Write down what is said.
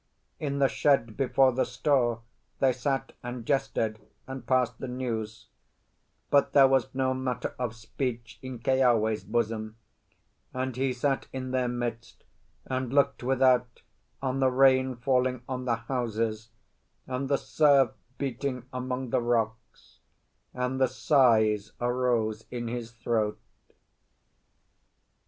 In the shed before the store they sat and jested and passed the news; but there was no matter of speech in Keawe's bosom, and he sat in their midst and looked without on the rain falling on the houses, and the surf beating among the rocks, and the sighs arose in his throat.